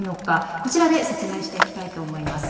こちらで説明していきたいと思います。